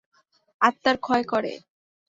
আত্মার ক্ষয় করে।